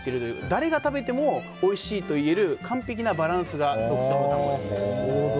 誰が食べてもおいしいといえる完璧なバランスが特徴の卵ですね。